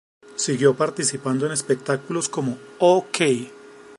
Siguió participando en espectáculos como "Oh, Kay!